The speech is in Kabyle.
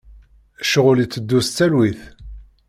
Ccɣel iteddu s talwit.